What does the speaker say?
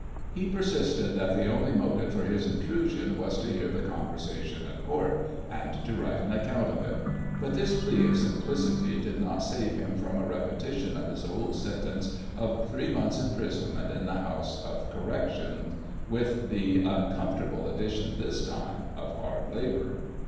He persisted that the only motive for his intrusion was to hear the conversation at Court, and to write an account of it ; but this plea of simplicity did not save him from a repetition of his old sentence of three months' Digitized by Google iS6 GOSSIP. [1841 imprisonment in the House of Correction, with the uncomfort able addition, this time, of hard labour.